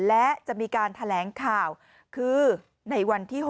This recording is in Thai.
และจะมีการแถลงข่าวคือในวันที่๖